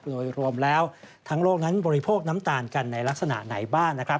โดยรวมแล้วทั้งโลกนั้นบริโภคน้ำตาลกันในลักษณะไหนบ้างนะครับ